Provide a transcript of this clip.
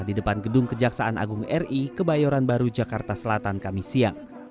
di depan gedung kejaksaan agung ri kebayoran baru jakarta selatan kami siang